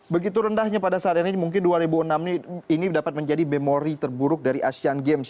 begitu rendahnya pada saat ini mungkin dua ribu enam ini dapat menjadi memori terburuk dari asean games